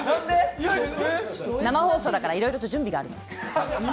生放送だからいろいろと準備があるの。